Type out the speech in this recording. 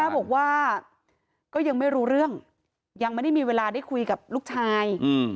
บอกว่าก็ยังไม่รู้เรื่องยังไม่ได้มีเวลาได้คุยกับลูกชาย